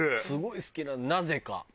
すごい好きなのなぜか。